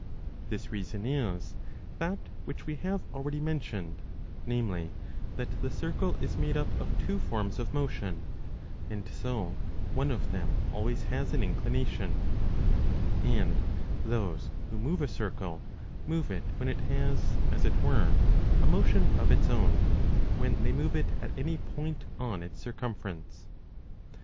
This reason is that which we have already mentioned, 4 namely, that the circle is made up of two forms of motion and so one of them always has an inclination and those who move a circle 10 move it when it has, as it were, a motion of its own, when they move it at any point on its circumference.